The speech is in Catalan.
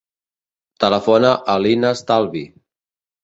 Telefona a l'Inas Talbi.